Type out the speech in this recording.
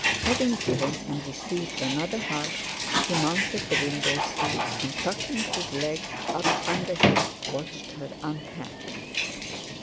Having given and received another hug, he mounted the window seat, and tucking his legs up under him watched her unpack.